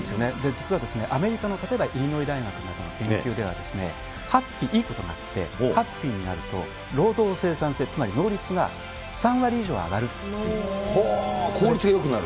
実は、アメリカの例えばイリノイ大学などの研究では、ハッピー、いいことがあってハッピーになると、労働生産性、つまり能率が３割以効率がよくなる？